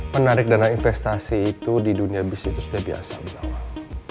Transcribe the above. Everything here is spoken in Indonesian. menarik dana investasi itu di dunia bisnis itu sudah biasa mengawal